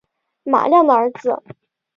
马亮的儿子